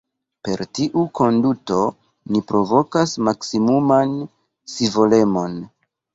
Per tiu konduto, ni provokas maksimuman scivolemon.